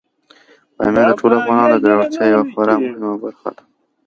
بامیان د ټولو افغانانو د ګټورتیا یوه خورا مهمه برخه ده.